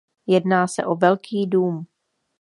Jedná se o velký dům.